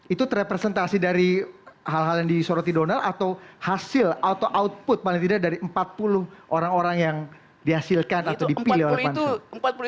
itu terrepresentasi dari hal hal yang disoroti donald atau hasil atau output paling tidak dari empat puluh orang orang yang dihasilkan atau dipilih oleh pansus